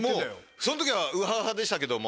その時はウハウハでしたけども。